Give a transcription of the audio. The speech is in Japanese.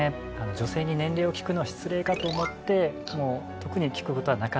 女性に年齢を聞くのは失礼かと思って特に聞く事はなかったですね。